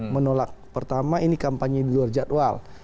menolak pertama ini kampanye di luar jadwal